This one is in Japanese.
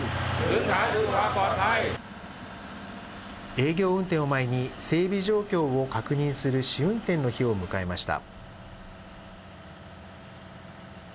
営業運転を前に、整備状況を確認する試運転の日を迎えました。